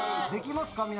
できますか？